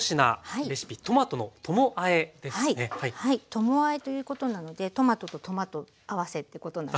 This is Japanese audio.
ともあえということなのでトマトとトマト合わせってことなんですよね。